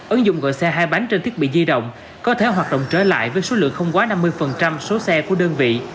ứng dụng gọi xe hai bánh trên thiết bị di động có thể hoạt động trở lại với số lượng không quá năm mươi số xe của đơn vị